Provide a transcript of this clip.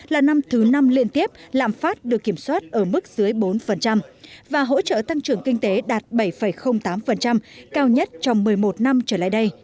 là năm thứ năm liên tiếp lạm phát được kiểm soát ở mức dưới bốn và hỗ trợ tăng trưởng kinh tế đạt bảy tám cao nhất trong một mươi một năm trở lại đây